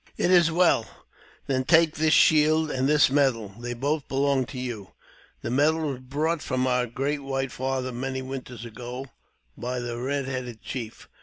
"It is well. Then take this shield and this medal ; they JAMES P. BECKWOUBTH. 221 both belong to yon. The medal was brought from our great white father many winters ago by the red headed chief.